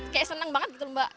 kayak seneng banget gitu mbak